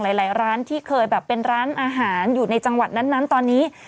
หลายร้านที่เคยแบบเป็นร้านอาหารอยู่ในจังหวัดนั้นตอนนี้